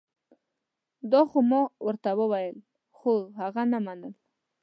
دا خو ما ورته وویل خو هغه نه منل